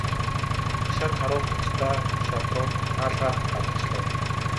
Хашаанд харуулдах ёстой шадрууд хаалгаар гадагшлав.